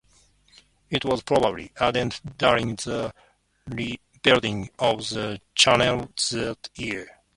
It was probably added during the rebuilding of the chancel that year.